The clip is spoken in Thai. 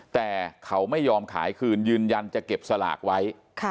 แต่เขาไม่ยอมขายคืนยืนยันจะเก็บสลากไว้